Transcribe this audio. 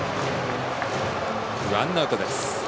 ワンアウトです。